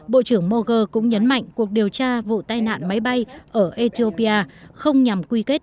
bộ trưởng moger cũng nhấn mạnh cuộc điều tra vụ tai nạn máy bay ở ethiopia không nhằm quy kết